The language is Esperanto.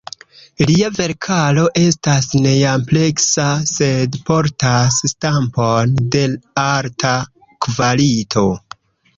Lia verkaro estas neampleksa, sed portas stampon de alta kvalito.